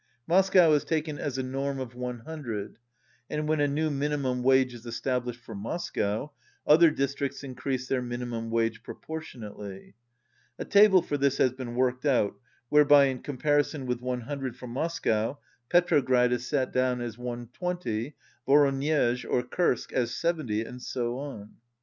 Moscow is taken as a norm of loo, and when a new minimum wage is established for Moscow other districts increase their minimum wage pro portionately. A table for this has been worked out, whereby in comparison with loo for Mos cow, Petrograd is set down as 120, Voronezh or Kursk as 70, and so on.